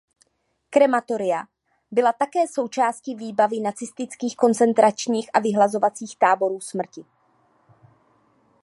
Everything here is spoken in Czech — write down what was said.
Krematoria byla také součástí výbavy nacistických koncentračních a vyhlazovacích táborů smrti.